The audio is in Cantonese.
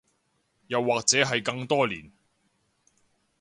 又或者係更多年